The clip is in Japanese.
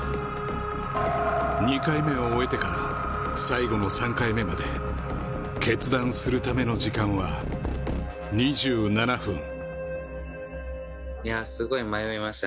２回目を終えてから最後の３回目まで決断するための時間は、２７分。